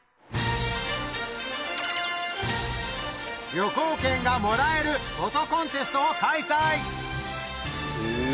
旅行券がもらえるフォトコンテストを開催へぇ。